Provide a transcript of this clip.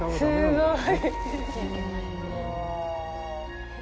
すっごい。